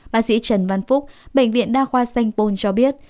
bác sĩ trần văn phúc bệnh viện đa khoa sanh pôn cho biết